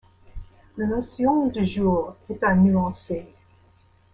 La notion de jour est à nuancer.